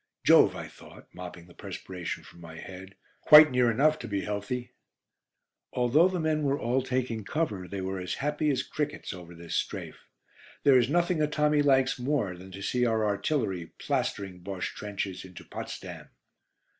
"Jove!" I thought, mopping the perspiration from my head, "quite near enough to be healthy!" Although the men were all taking cover, they were as happy as crickets over this "strafe." There is nothing a Tommy likes more than to see our artillery plastering Bosche trenches into "Potsdam."